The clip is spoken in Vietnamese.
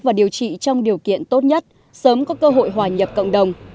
và điều trị trong điều kiện tốt nhất sớm có cơ hội hòa nhập cộng đồng